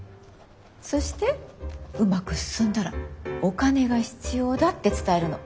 そしてうまく進んだらお金が必要だって伝えるの。